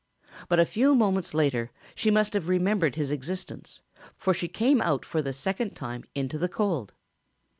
But a few moments later she must have remembered his existence, for she came out for the second time into the cold.